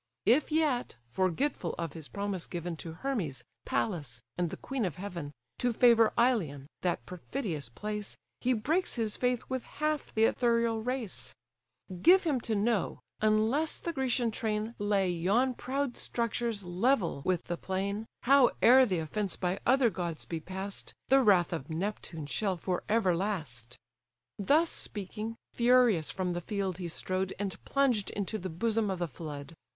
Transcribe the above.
If yet, forgetful of his promise given To Hermes, Pallas, and the queen of heaven, To favour Ilion, that perfidious place, He breaks his faith with half the ethereal race; Give him to know, unless the Grecian train Lay yon proud structures level with the plain, Howe'er the offence by other gods be pass'd, The wrath of Neptune shall for ever last." Thus speaking, furious from the field he strode, And plunged into the bosom of the flood.